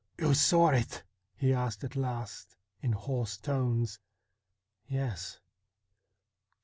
' You saw it ?' he asked at last in hoarse tones. 'Yes.'